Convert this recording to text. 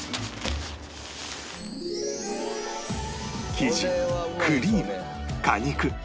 生地クリーム果肉